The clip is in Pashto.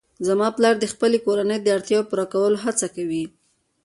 زما پلار د خپلې کورنۍ د اړتیاوو پوره کولو هڅه کوي